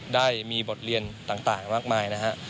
ได้มีบทเรียนต่างมากมายนะฮะ